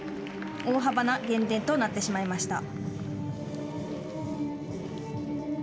大幅な減点となってしまいました。